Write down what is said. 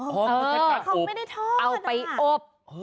เค้าไม่ได้ทอดนะค่ะเอาไปอบ